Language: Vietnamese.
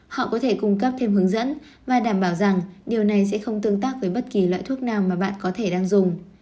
họ có thể cung cấp thêm hướng dẫn và đảm bảo rằng điều này sẽ không tương tác với bất kỳ loại thuốc nào mà bạn có thể đang dùng